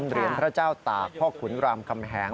เหรียญพระเจ้าตากพ่อขุนรามคำแหง